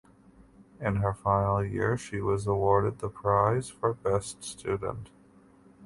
In her final year she was awarded the prize for best student.